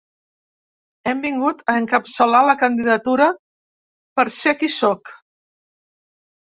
Hem vingut a encapçalar la candidatura per ser qui sóc.